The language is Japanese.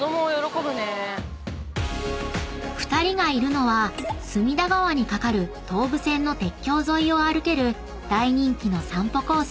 ［２人がいるのは隅田川に架かる東武線の鉄橋沿いを歩ける大人気の散歩コース